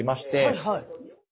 はいはい。